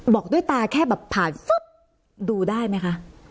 บอกด้วยตาแค่แบบผ่านปุ๊บดูได้ไหมคะ